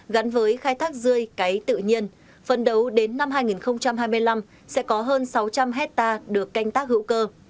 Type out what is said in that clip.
gắn với khai thác rươi cấy tự nhiên phần đầu đến năm hai nghìn hai mươi năm sẽ có hơn sáu trăm linh hectare được canh tác hữu cơ